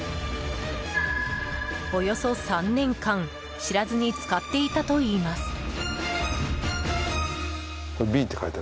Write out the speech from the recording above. およそ３年間知らずに使っていたといいます。